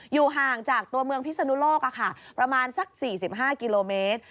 อยู่ห่างจากตัวเมืองพิศนุโลกประมาณสัก๔๕กิโลเมตร